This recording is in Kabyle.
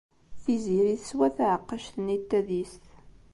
Tiziri teswa taɛeqqact-nni n tadist.